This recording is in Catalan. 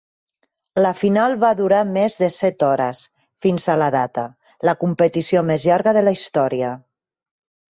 La final va durar més de set hores, fins a la data, la competició més llarga de la història.